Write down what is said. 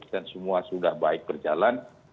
dan semua sudah baik berjalan